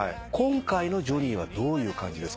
今回のジョニーはどういう感じ？